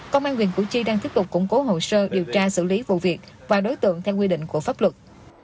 công an huyện củ chi đang tiếp tục củng cố hồ sơ điều tra xử lý vụ việc và đối tượng theo quy định của pháp luật